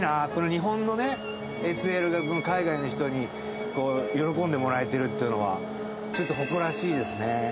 日本のね、ＳＬが海外の人に喜んでもらえてるっていうのはちょっと誇らしいですね。